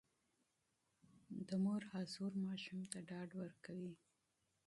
د مور حضور ماشوم ته ډاډ ورکوي.